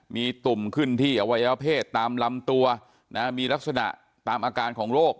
มีตุ่มขึ้นที่อวัยวเพศตามลำตัวมีลักษณะตามอาการของโรค